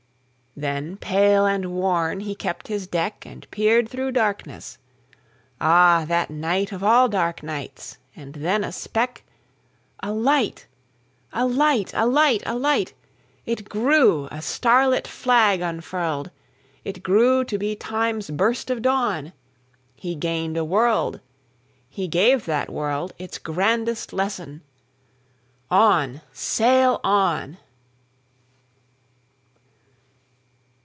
Then, pale and worn, he kept his deck, And peered through darkness. Ah, that nightOf all dark nights! And then a speck—A light! A light! A light! A light! It grew, a starlit flag unfurled! It grew to be Time's burst of dawn. He gained a world; he gave that worldIts grandest lesson: "On! sail on!"